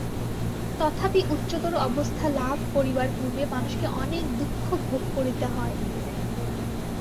তথাপি উচ্চতর অবস্থা লাভ করিবার পূর্বে মানুষকে অনেক দুঃখ ভোগ করিতে হয়।